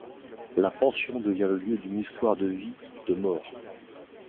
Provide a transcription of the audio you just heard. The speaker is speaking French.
La pension devient le lieu d’une histoire de vie de mort.